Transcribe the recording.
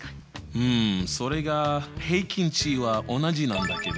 うんそれが平均値は同じなんだけど。